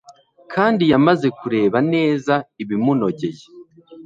kandi yamaze kureba neza ibimunogeye